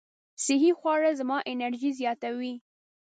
صحي خواړه زما انرژي زیاتوي.